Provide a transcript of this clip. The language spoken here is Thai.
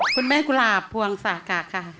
คุณแม่กุหลาบพวงสากะค่ะ